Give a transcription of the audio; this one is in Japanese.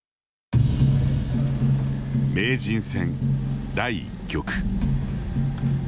名人戦第１局。